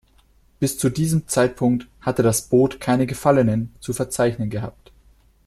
Bis zu diesem Zeitpunkt hatte das Boot keine Gefallenen zu verzeichnen gehabt.